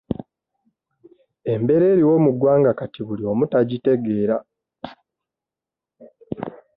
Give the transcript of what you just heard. Embeera eriwo mu ggwanga kati buli omu tagitegeera.